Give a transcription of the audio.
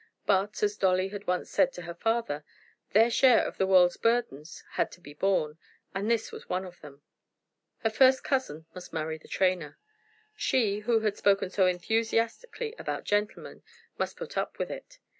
But, as Dolly had once said to her father, their share of the world's burdens had to be borne, and this was one of them. Her first cousin must marry the trainer. She, who had spoken so enthusiastically about gentlemen, must put up with it.